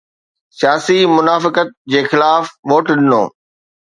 سياسي منافقت جي خلاف ووٽ ڏنو.